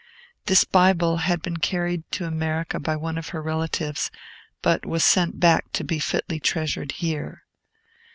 This Bible had been carried to America by one of her relatives, but was sent back to be fitly treasured here.